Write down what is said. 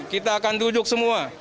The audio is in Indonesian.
kita akan duduk semua